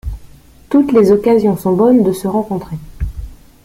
Toutes les occasions sont bonnes de se rencontrer.